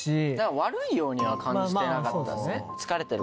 悪いようには感じてなかったっすね。